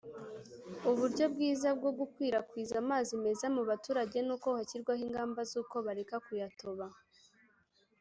uburyo bwiza bwo gukwirakwiza amazi meza mu baturage nuko hashyirwaho ingamba zuko bareka kuyatoba